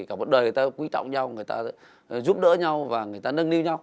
cả một đời người ta quý trọng nhau người ta giúp đỡ nhau và người ta nâng niu nhau